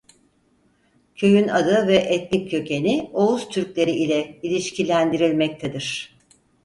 Köyün adı ve etnik kökeni Oğuz Türkleri ile ilişkilendirilmektedir.